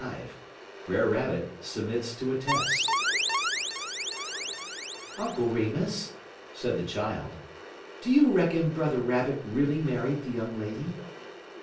XXXV BRER RABBIT SUBMITS TO A TEST "Uncle Remus," said the child, "do you reckon Brother Rabbit really married the young lady?"